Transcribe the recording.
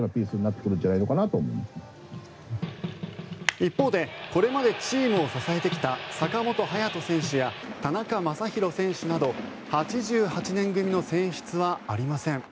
一方でこれまでチームを支えてきた坂本勇人選手や田中将大選手など８８年組の選出はありません。